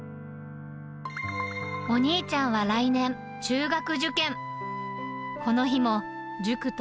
お兄ちゃんは来年中学受験。